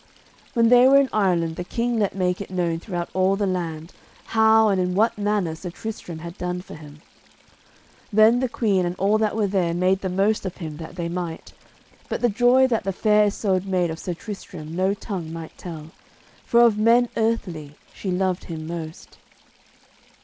When they were in Ireland the king let make it known throughout all the land, how and in what manner Sir Tristram had done for him. Then the queen and all that were there made the most of him that they might. But the joy that the Fair Isoud made of Sir Tristram no tongue might tell, for of men earthly she loved him most.